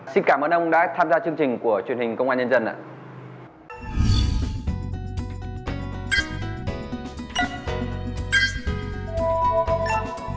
xin cảm ơn ông đã tham gia chương trình của truyền hình công an nhân dân ạ